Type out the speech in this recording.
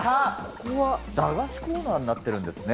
ここは駄菓子コーナーになってるんですね。